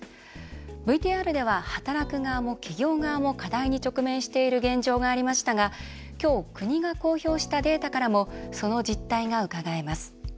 ＶＴＲでは働く側も、企業側も課題に直面している現状がありましたが今日、国が公表したデータからもその実態がうかがえます。